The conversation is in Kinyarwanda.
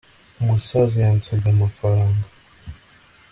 umusaza yansabye amafaranga